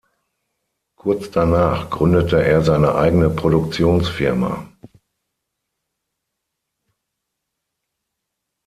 Kurz danach gründete er seine eigene Produktionsfirma.